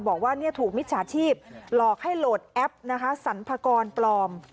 บอกว่าถูกมิจฉาชีพหลอกให้โหลดแอปนะคะสรรพากรปลอม